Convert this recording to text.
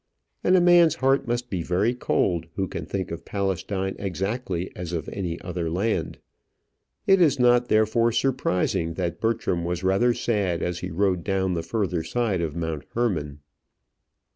And a man's heart must be very cold who can think of Palestine exactly as of any other land. It is not therefore surprising that Bertram was rather sad as he rode down the further side of Mount Hermon.